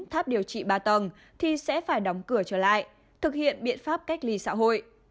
tháp điều trị ba tầng thì sẽ phải đóng cửa trở lại thực hiện biện pháp cách ly xã hội